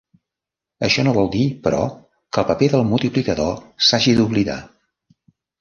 Això no vol dir, però, que el paper del multiplicador s'hagi d'oblidar.